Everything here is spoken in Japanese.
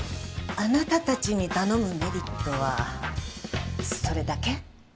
あなたたちに頼むメリットはそれだけ？